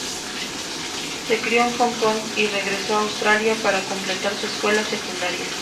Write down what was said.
Se crio en Hong Kong y regresó a Australia para completar su escuela secundaria.